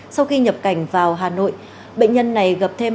sau khi nhập cảnh vào hà nội bệnh nhân này gặp thêm